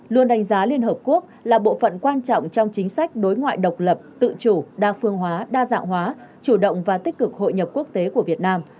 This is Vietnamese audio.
luôn đánh giá liên hợp quốc là bộ phận quan trọng trong chính sách đối ngoại độc lập tự chủ đa phương hóa đa dạng hóa chủ động và tích cực hội nhập quốc tế của việt nam